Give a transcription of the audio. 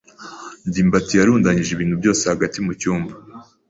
ndimbati yarundanyije ibintu byose hagati mu cyumba.